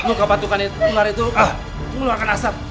lu kepatukan ular itu mengeluarkan asap